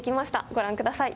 ご覧ください。